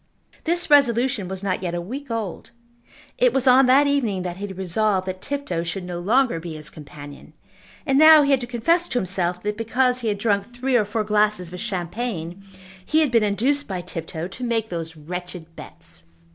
This resolution was not yet a week old. It was on that evening that he had resolved that Tifto should no longer be his companion; and now he had to confess to himself that because he had drunk three or four glasses of champagne he had been induced by Tifto to make those wretched bets.